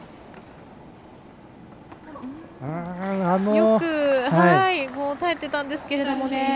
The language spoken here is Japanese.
よく耐えてたんですけどもね。